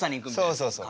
そうそうそう。